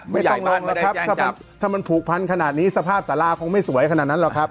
ไม่ต้องลงแล้วครับไม่ได้แจ้งจับถ้ามันผูกพันขนาดนี้สภาพสาลาคงไม่สวยขนาดนั้นหรอกครับ